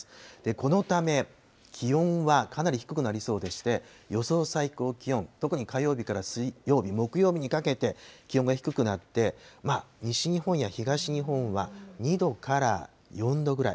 このため気温はかなり低くなりそうでして、予想最高気温、特に火曜日から水曜日、木曜日にかけて気温が低くなって、西日本や東日本は２度から４度ぐらい。